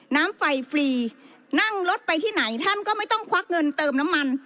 น้ำไฟฟรีนั่งรถไปที่ไหนท่านก็ไม่ต้องควักเงินเติมน้ำมัน